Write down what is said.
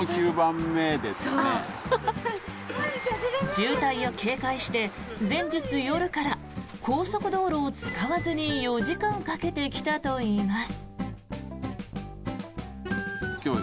渋滞を警戒して前日夜から高速道路を使わずに４時間かけて来たといいます。